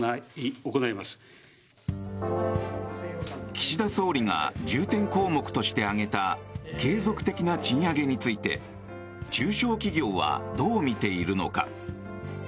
岸田総理が重点項目として挙げた継続的な賃上げについて中小企業はどう見ているのか。